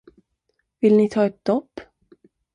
Vill ni ta ett dopp?